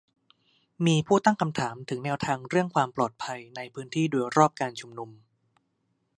มีผู้ตั้งคำถามถึงแนวทางเรื่องความปลอดภัยในพื้นที่โดยรอบการชุมนุม